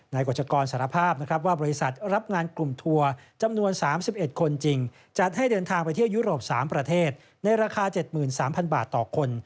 กฎสารภาพนะครับว่าบริษัทรับงานกลุ่มทัวร์จำนวน๓๑คนจริงจัดให้เดินทางไปเที่ยวยุโรป๓ประเทศในราคา๗๓๐๐บาทต่อคน